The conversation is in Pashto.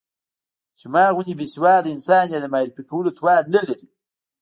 چې ما غوندې بې سواده انسان يې د معرفي کولو توان نه لري.